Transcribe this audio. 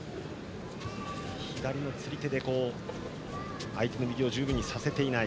左の釣り手で相手の右を十分にさせていない。